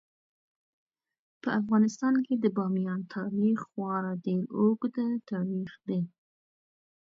په افغانستان کې د بامیان تاریخ خورا ډیر اوږد تاریخ دی.